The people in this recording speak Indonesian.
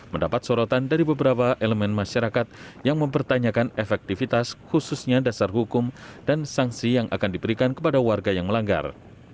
mendapat sorotan dari beberapa elemen masyarakat yang mempertanyakan efektivitas khususnya dasar hukum dan sanksi yang akan diberikan kepada warga yang melanggar